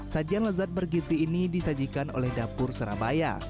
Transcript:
sajian lezat bergizi ini disajikan oleh dapur surabaya